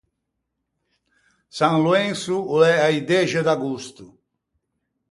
San Loenso o l’é a-i dexe d’agosto.